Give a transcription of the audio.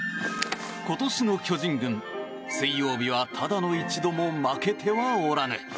今年の巨人軍、水曜日はただの一度も負けてはおらぬ。